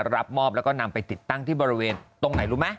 รับมอบแล้วก็นำไปติดตั้งที่บริเวณตรงไหนรู้ไหม